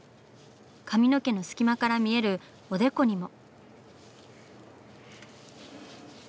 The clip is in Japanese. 髪の毛の隙間から見えるおでこにも。